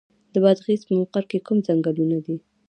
د بادغیس په مقر کې کوم ځنګلونه دي؟